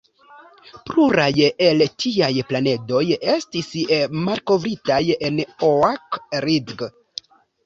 Pluraj el tiaj planedoj estis malkovritaj en Oak Ridge.